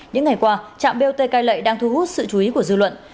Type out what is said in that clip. những ngày qua trạm bot cai lệ đang thu hút sự chú ý của dư luận